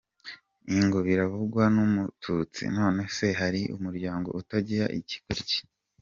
!,ngo biravugwa n’Umututsi: nonese hari umuryango utagira ikigoryi?